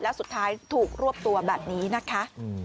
แล้วสุดท้ายถูกรวบตัวแบบนี้นะคะ